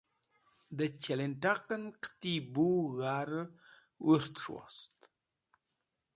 da chilint̃aq'en qiti bu g̃har'ey wurt'esh wost